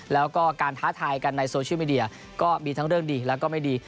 แล้วก็การท้าทายกันในโซเชียลมีเดียก็มีทั้งเรื่องดีแล้วก็ไม่ดี